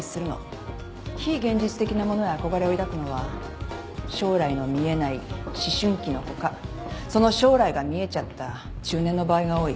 非現実的なものへ憧れを抱くのは将来の見えない思春期の子かその将来が見えちゃった中年の場合が多い。